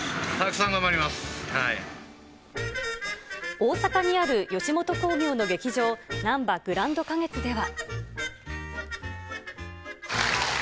大阪にある吉本興業の劇場、なんばグランド花月では。